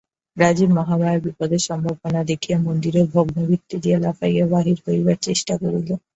রাজীব মহামায়ার বিপদের সম্ভাবনা দেখিয়া মন্দিরের ভগ্নভিত্তি দিয়া লাফাইয়া বাহির হইবার চেষ্টা করিল।